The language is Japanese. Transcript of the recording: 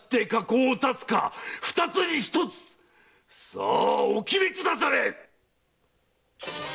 さあお決めくだされ！